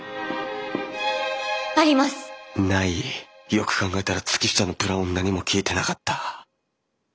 よく考えたら月下のプランを何も聞いてなかった。